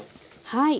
はい。